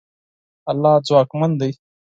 الله ځواکمن دی.